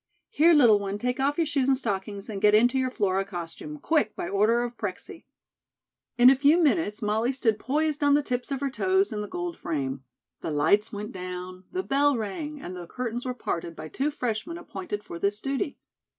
"Here, little one, take off your shoes and stockings, and get into your Flora costume, quick, by order of Prexy." In a few minutes, Molly stood poised on the tips of her toes in the gold frame. The lights went down, the bell rang, and the curtains were parted by two freshmen appointed for this duty.